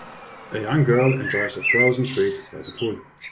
A young girl enjoys a frozen treat by the pool.